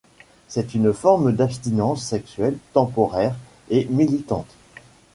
C'est une forme d'abstinence sexuelle temporaire et militante.